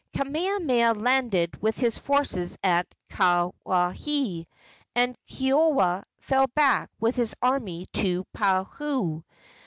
Kamehameha landed with his forces at Kawaihae, and Keoua fell back with his army to Paauhau.